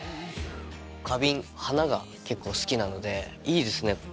花瓶花が結構好きなのでいいですね。